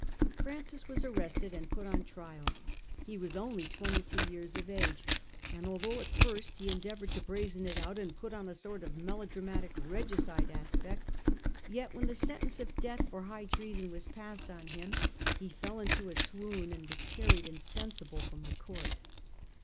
Francis was arrested and put on trial. He was only twenty two years of age, and although at first he endeavoured to brazen it out and put on a sort of melodramatic regicide aspect, yet when the sentence of death for high treason was passed on him he fell into a swoon and was carried insensible from the court.